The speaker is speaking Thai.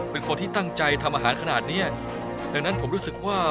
เป็นคนที่ตั้งใจทำอาหารขนาดเนี้ยดังนั้นผมรู้สึกว่า